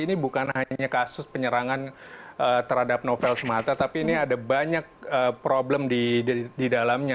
ini bukan hanya kasus penyerangan terhadap novel semata tapi ini ada banyak problem di dalamnya